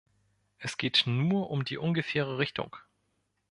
Es geht nur um die ungefähre Richtung.